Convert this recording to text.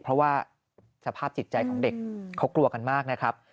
เพราะว่าสภาพจิตใจของเด็กเขากลัวกันมากนะครับ